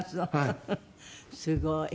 すごい。